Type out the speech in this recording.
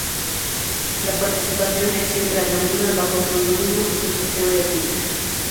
La participación es siempre anónima, bajo pseudónimo y con sistema de plica.